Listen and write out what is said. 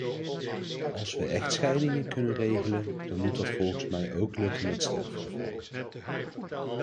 Als we echtscheidingen kunnen regelen, dan moet dat volgens mij ook lukken met sterfgevallen.